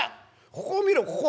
ここを見ろここを」。